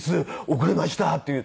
遅れました」っていう。